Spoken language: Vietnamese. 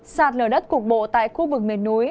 sạt lở đất cục bộ tại khu vực miền núi